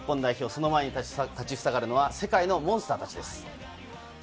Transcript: その前に立ちはだかるのは世界のモンスターたちです。